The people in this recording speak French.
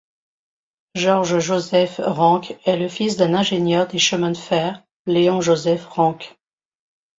Georges-Joseph Ranque est le fils d'un ingénieur des chemins de fer, Léon-Joseph Ranque.